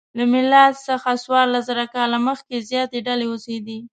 له میلاد څخه څوارلسزره کاله مخکې زیاتې ډلې اوسېدې.